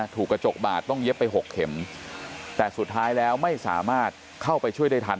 ถูกกระจกบาดต้องเย็บไปหกเข็มแต่สุดท้ายแล้วไม่สามารถเข้าไปช่วยได้ทัน